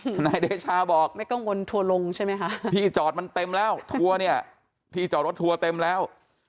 ทนายเดชาบอกที่จอดมันเต็มแล้วทัวร์เนี่ยที่จอดรถทัวร์เต็มแล้ว